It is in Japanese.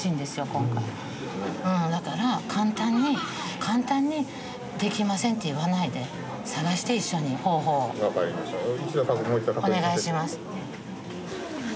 今回だから簡単に簡単にできませんって言わないで探して一緒に方法をお願いします